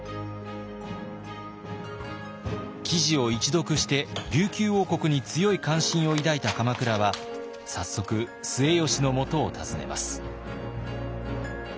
記事を一読して琉球王国に強い関心を抱いた鎌倉は早速末吉のもとを訪ねます。